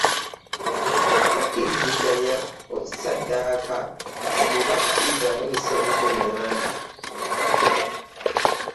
Bakkiriziganya okusaddaaka omubaka Ibrahim Ssemujju Nganda